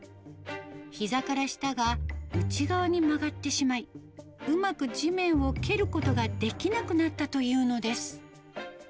ひざから下が内側に曲がってしまい、うまく地面を蹴ることができなくなったというのです。